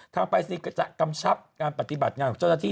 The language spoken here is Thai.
ปรายศนีย์ก็จะกำชับการปฏิบัติงานของเจ้าหน้าที่